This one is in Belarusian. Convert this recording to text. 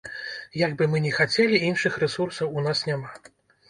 Як бы мы ні хацелі, іншых рэсурсаў у нас няма.